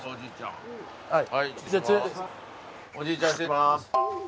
おじいちゃん失礼します。